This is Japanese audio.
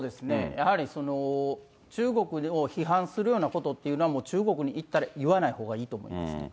やはり中国を批判するようなことっていうのは、中国に行ったら言わないほうがいいと思います。